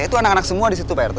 itu anak anak semua disitu pak rete